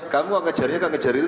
kamu mau kejarnya kamu kejar itu